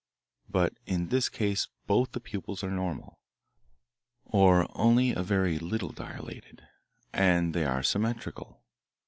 But in this case both the pupils are normal, or only a very little dilated, and they are symmetrical.